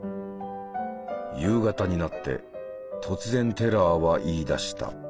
夕方になって突然テラーは言いだした。